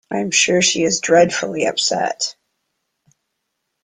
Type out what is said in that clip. I'm sure she is dreadfully upset.